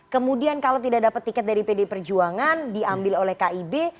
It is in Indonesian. kemudian kalau tidak dapat tiket dari pdi perjuangan diambil oleh kib